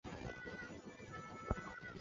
指令操作数的特征